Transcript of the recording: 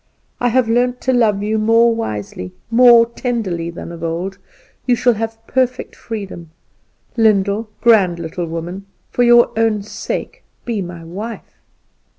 I have learnt to love you more wisely, more tenderly, than of old; you shall have perfect freedom. Lyndall, grand little woman, for your own sake be my wife!